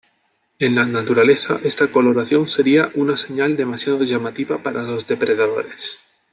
En la naturaleza esta coloración sería una señal demasiado llamativa para los depredadores.